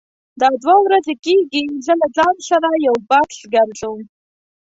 دا دوه ورځې کېږي زه له ځان سره یو بکس ګرځوم.